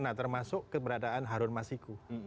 nah termasuk keberadaan harun masiku